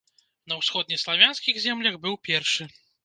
На ўсходнеславянскіх землях быў першы.